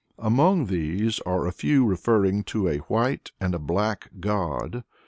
Among these are a few referring to a White and to a Black God.